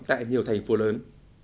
tại nhiều thành phố lớn